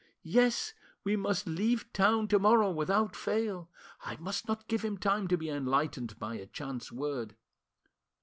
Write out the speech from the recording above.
Yes, we must leave town to morrow without fail. I must not give him time to be enlightened by a chance word.